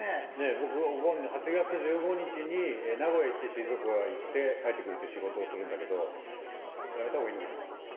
僕、お盆の８月１５日に名古屋行って静岡に行くという仕事があるんだけれども、やめた方がいいのかな？